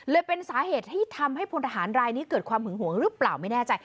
เป็นสาเหตุที่ทำให้พลทหารรายนี้เกิดความหึงหวงหรือเปล่าไม่แน่ใจ